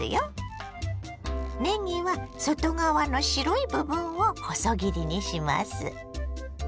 ねぎは外側の白い部分を細切りにします。